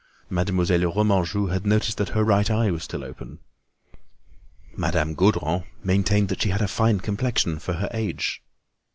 Mademoiselle Remanjou had noticed that her right eye was still open. Madame Gaudron maintained that she had a fine complexion for her age.